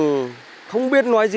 tôi không biết nói gì